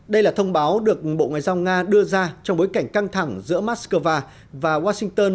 đây là thông báo được bộ ngoại giao nga đưa ra trong bối cảnh căng thẳng giữa moscow và washington